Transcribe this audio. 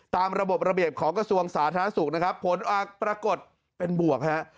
ตามระบบระเบียบของกระทรวงสาธารณสุขนะครับผลปรากฏเป็นบวกฮะ